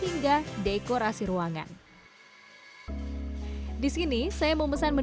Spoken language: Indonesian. ditambah dengan interior ruangan seperti kursi meja rumah sakit dan kursi